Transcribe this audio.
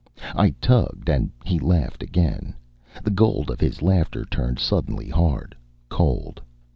I tugged, and he laughed again. The gold of his laughter turned suddenly hard, cold.